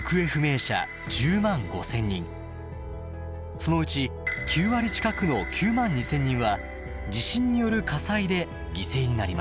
そのうち９割近くの９万２，０００人は地震による火災で犠牲になりました。